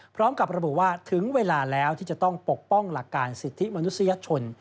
พร้อมกับระบุว่าถึงเวลาแล้วที่จะต้องปกป้องหลักการสิทธิมนุษยชน